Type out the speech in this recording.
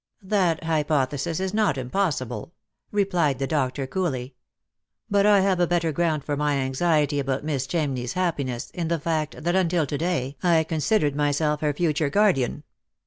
" That hypothesis is not impossible," replied the doctor coolly. " But I have a better ground for my anxiety about Miss Cham ney's happiness in the fact that until to day I considered myself her future guardian."